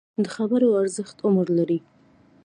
د خبرو ارزښت عمر لري